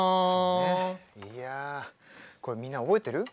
いやこれみんな覚えてる？